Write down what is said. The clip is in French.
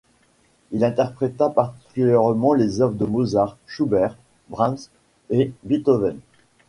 Il interpréta particulièrement les œuvres de Mozart, Schubert, Brahms et Beethoven.